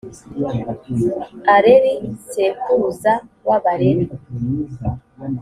areli sekuruza w’abareli.